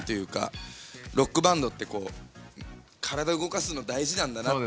ロックバンドって体を動かすの大事なんだなって